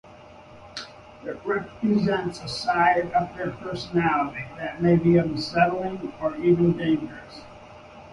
It represents a side of their personality that may be unsettling or even dangerous.